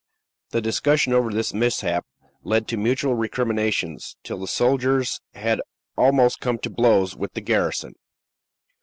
The discussion over this mishap led to mutual recriminations, till the sailors had almost come to blows with the garrison.